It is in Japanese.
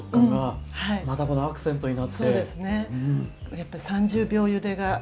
やっぱり３０秒ゆでが。